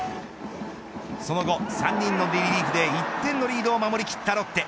その後、３人のリリーフで１点のリードを守り切ったロッテ。